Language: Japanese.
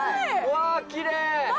わー、きれい。